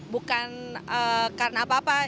bukan karena apa apa